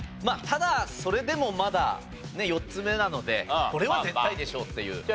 ただそれでもまだ４つ目なのでこれは絶対でしょうっていう。